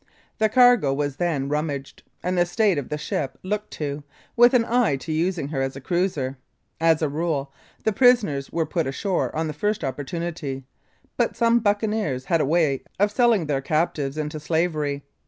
The cargo was then rummaged, and the state of the ship looked to, with an eye to using her as a cruiser. As a rule, the prisoners were put ashore on the first opportunity, but some buccaneers had a way of selling their captives into slavery.